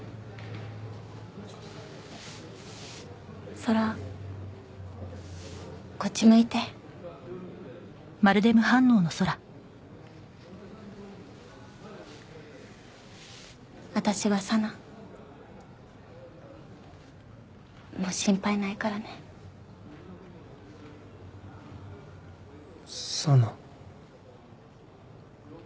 空こっち向いて私は沙菜もう心配ないからね沙菜？